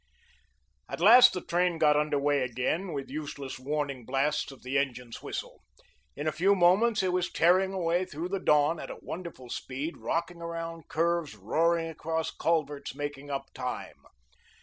At last the train got under way again, with useless warning blasts of the engine's whistle. In a few moments it was tearing away through the dawn at a wonderful speed, rocking around curves, roaring across culverts, making up time.